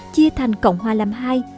chia thành cộng hòa làm hai